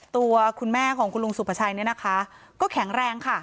ตัวคุณแม่ของคุณลุงสุภาชัยเนี่ยนะคะก็แข็งแรงค่ะ